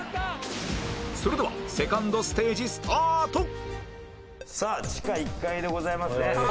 それではセカンドステージスタートさあ地下１階でございますね。